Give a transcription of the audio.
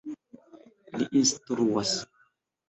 Li instruas.